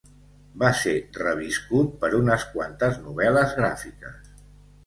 Va ser reviscut per unes quantes novel·les gràfiques.